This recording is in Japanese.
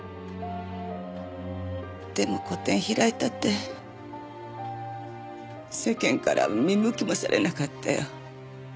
でも個展開いたって世間からは見向きもされなかったよ。